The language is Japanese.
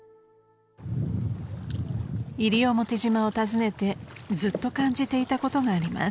［西表島を訪ねてずっと感じていたことがあります］